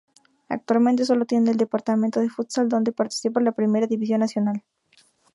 Actualmente solo tiene el departamento de futsal, donde participa la primera división nacional.